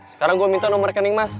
sekarang gue minta nomor rekening mas